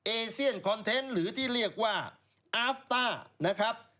เอเซียนคอนเทนต์หรือที่เรียกว่าอาฟต้านะครับ